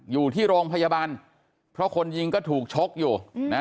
อยู่ที่โรงพยาบาลเพราะคนยิงก็ถูกชกอยู่นะ